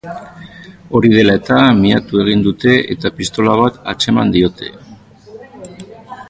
Hori dela eta, miatu egin dute eta pistola bat atzeman diote.